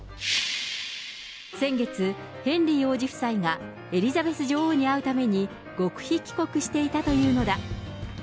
先月、ヘンリー王子夫妻が、エリザベス女王に会うために極秘帰国していたというのだ。